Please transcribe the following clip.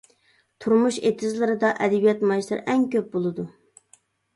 تۇرمۇش ئېتىزلىرىدا ئەدەبىيات مايسىلىرى ئەڭ كۆپ بولىدۇ.